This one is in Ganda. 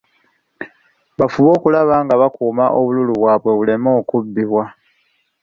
Bafube okulaba nga bakuuma obululu bwabwe, buleme okubbibwa.